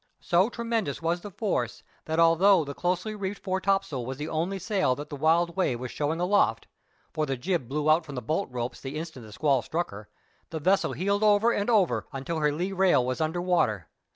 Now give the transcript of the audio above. So tremendous was the force, that although the closely reefed fore topsail was the only sail that the Wild Wave was showing aloft—for the jib blew from the bolt ropes the instant the squall struck her—the vessel heeled over and over until her lee rail was under water.